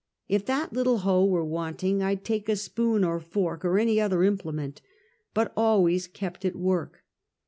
If that little hoe were wanting, I'd take a spoon or fork, or any other implement, but always keep at work.